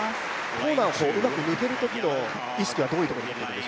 コーナーをうまく抜けるときの意識は、どういうところに？